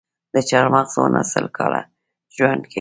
د چهارمغز ونه سل کاله ژوند کوي؟